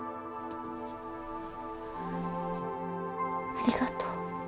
ありがとう。